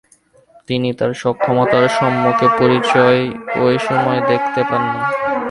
তিনি তার সক্ষমতার সম্যক পরিচয় ঐ সময়ে দেখতে পাননি।